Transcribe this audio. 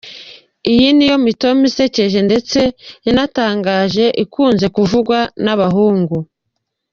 Iyi niyo mitoma isekeje ndetse inatangaje ikunzwe kuvugwa n’abahungu :.